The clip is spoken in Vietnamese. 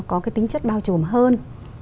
có tính chất bao trùm hơn